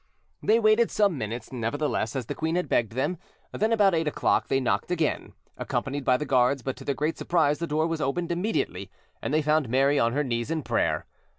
They waited some minutes, nevertheless, as the queen had begged them; then, about eight o'clock, they knocked again, accompanied by the guards; but to their great surprise the door was opened immediately, and they found Mary on her knees in prayer.